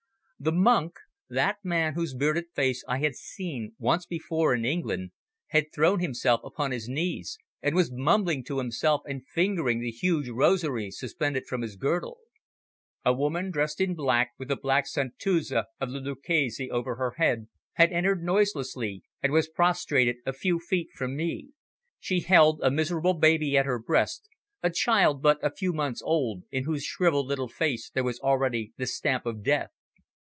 The monk, that man whose bearded face I had seen once before in England, had thrown himself upon his knees, and was mumbling to himself and fingering the huge rosary suspended from his girdle. A woman dressed in black with the black santuzza of the Lucchesi over her head had entered noiselessly, and was prostrated a few feet from me. She held a miserable baby at her breast, a child but a few months old, in whose shrivelled little face there was already the stamp of death.